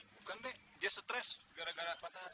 bukan deh dia stres gara gara patah hati